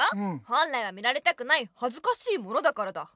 本来は見られたくないはずかしいものだからだ。